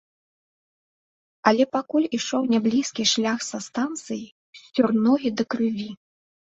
Але пакуль ішоў няблізкі шлях са станцыі, сцёр ногі да крыві!